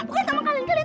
bukan sama kalian kalian